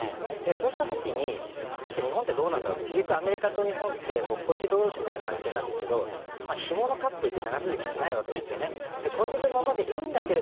そうしたときに果たして日本はどうなんだろうとアメリカと日本って恋人同志みたいな関係なんですけどひものカップルって長続きしないんです。